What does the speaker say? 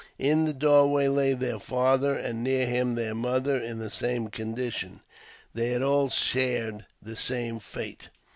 In the doorway lay their father, and near him their mother, in the same condition ; they had all shared the same fate.